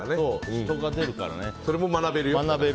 それも学べるよと。